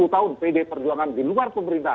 sepuluh tahun pd perjuangan di luar pemerintah